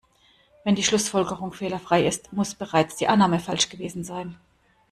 Wenn die Schlussfolgerung fehlerfrei ist, muss bereits die Annahme falsch gewesen sein.